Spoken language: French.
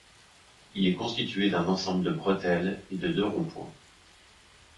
Il est constitué d'un ensemble de bretelles et de deux ronds-point.